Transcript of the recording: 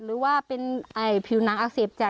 หรือว่าเป็นผิวหนังอักเสบจาก